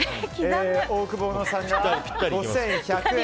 オオクボーノさんが５１００円。